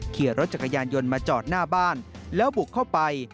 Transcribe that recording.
ขี่รถจักรยานยนต์มาจอดหน้าบ้านแล้วบุกเข้าไป